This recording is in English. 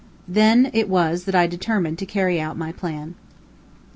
Then it was that I determined to carry out my plan.